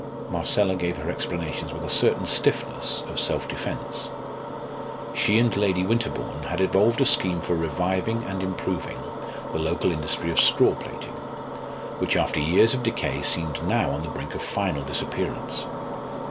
Marcella gave her explanations with a certain stiffness of self defence. She and Lady Winterbourne had evolved a scheme for reviving and improving the local industry of straw plaiting, which after years of decay seemed now on the brink of final disappearance.